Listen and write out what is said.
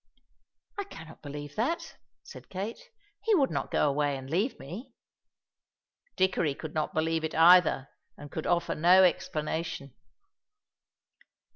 "I cannot believe that," said Kate; "he would not go away and leave me." Dickory could not believe it either, and could offer no explanation.